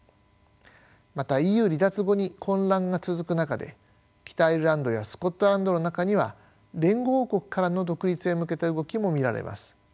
またＥＵ離脱後に混乱が続く中で北アイルランドやスコットランドの中には連合王国からの独立へ向けた動きも見られます。